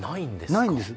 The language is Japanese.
ないんです。